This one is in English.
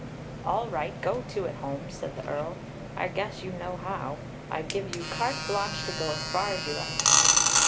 "All right, go to it, Holmes," said the Earl. "I guess you know how. I give you carte blanche to go as far as you like."